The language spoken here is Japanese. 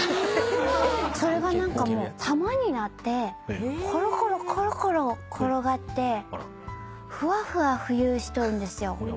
それが玉になってコロコロコロコロ転がってふわふわ浮遊しとるんですよ。